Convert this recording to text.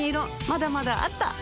まだまだあった！